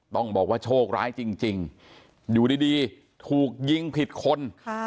ต้องบอกว่าโชคร้ายจริงอยู่ดีถูกยิงผิดคน